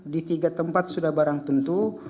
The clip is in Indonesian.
di tiga tempat sudah barang tentu